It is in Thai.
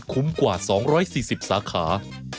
คุณใช่ยังโศน๑๐๐นะคะ